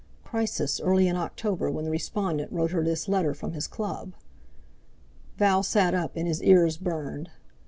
"Crisis early in October, when the respondent wrote her this letter from his Club." Val sat up and his ears burned.